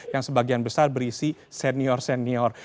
yang sebagian besar berisi senior senior